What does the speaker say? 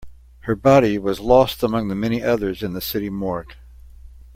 Her body was lost among the many others in the city morgue.